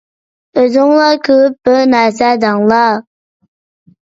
ئۆزۈڭلار كۆرۈپ بىر نەرسە دەڭلار.